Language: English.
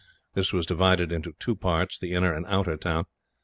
This was divided into two parts the inner and outer town.